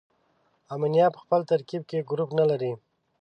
امونیا په خپل ترکیب کې ګروپ نلري.